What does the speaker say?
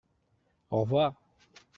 Au revoir !